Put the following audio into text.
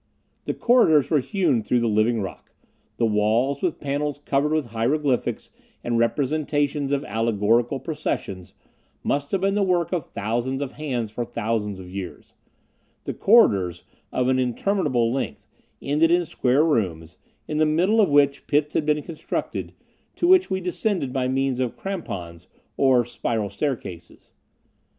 The corridors were hewn through the living rock. The walls, with panels covered with hieroglyphics, and representations of allegorical processions, must have been the work of thousands of hands for thousands of years; the corridors, of an interminable length, ended in square rooms, in the middle of which pits had been constructed, to which we descended by means of crampons or spiral staircases.